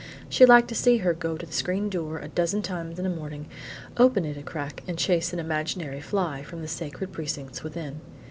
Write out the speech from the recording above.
She liked to see her go to the screen door a dozen times in a morning, open it a crack and chase an imaginary fly from the sacred precincts within.